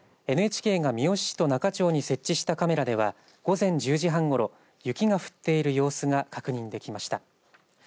ＮＨＫが三好市と那賀町に設置したカメラでは午前１０時半ごろ雪が降っている様子が確認できました。